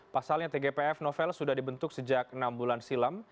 pasalnya tgpf novel sudah dibentuk sejak enam bulan silam